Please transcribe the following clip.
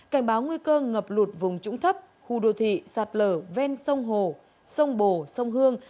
cảnh báo nguy cơ ngập lụt vùng trũng thấp khu đô thị sạt lở ven sông hồ sông bồ sông hương